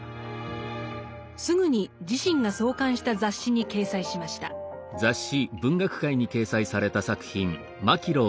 すぐに自身が創刊した雑誌に掲載しました。